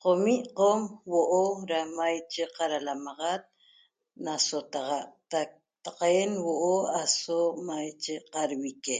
Qomi' Qom huo'o ra maiche qaralamaxat nasotaxac taqa'en huo'o aso maiche qarvique